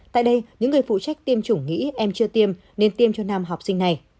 tại đây những người phụ trách tiêm chủng nghĩ em chưa tiêm nên tiêm cho nam học sinh này